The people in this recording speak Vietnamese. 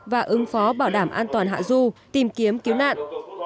và ứng phó bảo đảm an toàn hạ du tìm kiếm cứu nạn